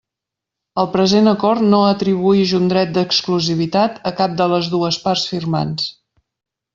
El present acord no atribuïx un dret d'exclusivitat a cap de les dues parts firmants.